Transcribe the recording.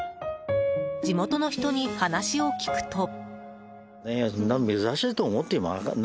地元の人に話を聞くと。